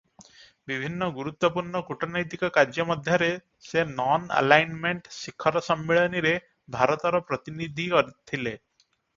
ବିଭିନ୍ନ ଗୁରୁତ୍ୱପୂର୍ଣ୍ଣ କୂଟନୈତିକ କାର୍ଯ୍ୟ ମଧ୍ୟରେ ସେ ନନ-ଆଲାଇନମେଣ୍ଟ ଶିଖର ସମ୍ମିଳନୀରେ ଭାରତର ପ୍ରତିନିଧି ଥିଲେ ।